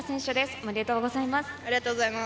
おめでとうございます。